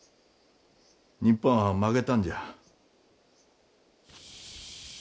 日本は負けたんじゃ。